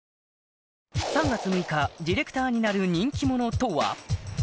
３月６日ディレクターになる人気者とは？